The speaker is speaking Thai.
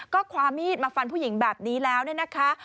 ก็ความมีดมาฟันผู้หญิงแบบนี้แล้วเนี่ยนะคะ